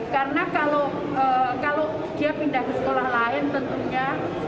karena kalau dia pindah ke sekolah lain tentunya